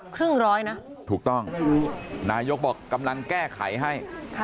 ครึ่งร้อยนะถูกต้องนายกบอกกำลังแก้ไขให้